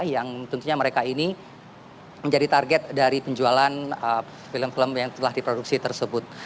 yang tentunya mereka ini menjadi target dari penjualan film film yang telah diproduksi tersebut